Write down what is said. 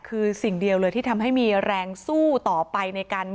คือสิ่งเดียวเลยที่ทำให้มีแรงสู้ต่อไปในการ